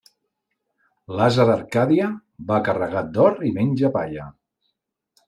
L'ase d'Arcàdia, va carregat d'or i menja palla.